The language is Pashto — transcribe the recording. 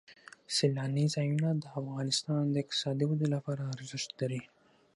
سیلانی ځایونه د افغانستان د اقتصادي ودې لپاره ارزښت لري.